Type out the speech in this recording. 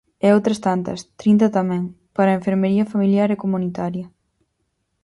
E outras tantas, trinta tamén, para enfermería familiar e comunitaria.